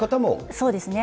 そうですね。